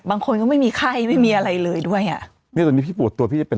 บางคนก็ไม่มีไข้ไม่มีอะไรเลยด้วยอ่ะเนี่ยตอนนี้พี่ปวดตัวพี่จะเป็น